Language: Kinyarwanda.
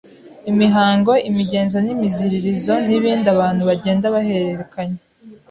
imihango, imigenzo n’imiziririzo n’ibindi abantu bagenda baherekanya